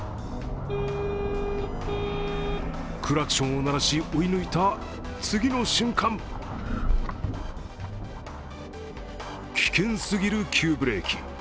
クラクションを鳴らし、追い抜いた次の瞬間危険すぎる急ブレーキ。